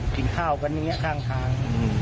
กินข้าวกันอย่างนี้ข้างทาง